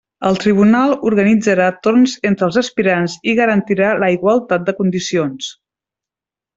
El tribunal organitzarà torns entre els aspirants i garantirà la igualtat de condicions.